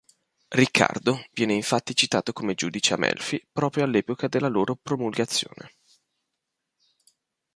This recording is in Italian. Riccardo viene infatti citato come giudice a Melfi proprio all'epoca della loro promulgazione.